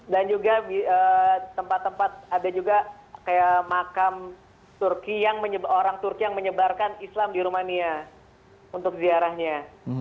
dan juga tempat tempat ada juga kayak makam turki yang orang turki yang menyebarkan islam di rumania untuk ziarahnya